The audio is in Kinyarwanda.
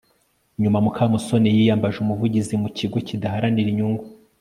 nyuma mukamusoni yiyambaje umuvugizi mu kigo kidaharanira inyungu